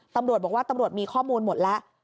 ตำรวจบอกว่าตำรวจมีข้อมูลหมดแล้ว